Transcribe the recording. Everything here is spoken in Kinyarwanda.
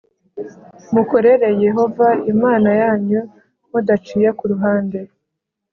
mukorere yehova imana yanyu mudaciye ku ruhande